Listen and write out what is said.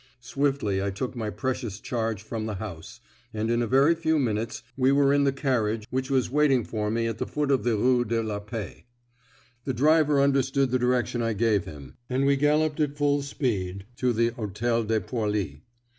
Swiftly I took my precious charge from the house, and in a very few minutes we were in the carriage which was waiting for me at the foot of the Rue de la Paix. The driver understood the direction I gave him, and we galloped at full speed to the Hotel de Poilly.